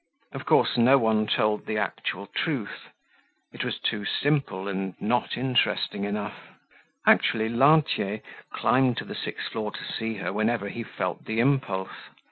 Of course, no one told the actual truth. It was too simple and not interesting enough. Actually Lantier climbed to the sixth floor to see her whenever he felt the impulse.